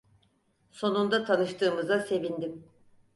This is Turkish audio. Sonunda tanıştığımıza sevindim.